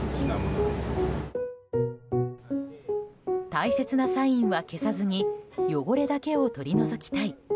大切なサインは消さずに汚れだけを取り除きたい。